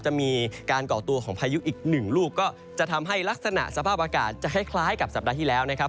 จะมีการก่อตัวของพายุอีกหนึ่งลูกก็จะทำให้ลักษณะสภาพอากาศจะคล้ายกับสัปดาห์ที่แล้วนะครับ